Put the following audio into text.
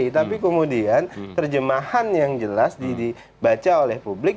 tapi kemudian terjemahan yang jelas dibaca oleh publik